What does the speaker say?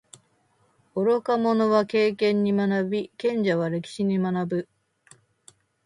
愚か者は経験に学び，賢者は歴史に学ぶ。